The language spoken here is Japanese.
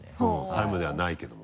タイムとかではないけども。